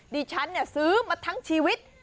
ดิฉันซื้อมาทั้งชีวิต